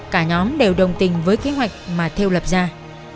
cả nhóm sẽ được bắt đầu bắt đầu bắt đầu bắt đầu bắt đầu